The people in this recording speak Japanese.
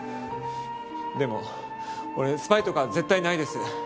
でも俺スパイとかは絶対ないです。